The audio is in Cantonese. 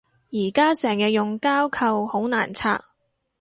而家成日用膠扣好難拆